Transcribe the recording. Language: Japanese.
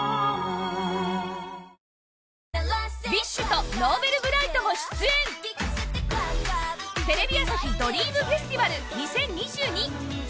ＢｉＳＨとＮｏｖｅｌｂｒｉｇｈｔも出演テレビ朝日ドリームフェスティバル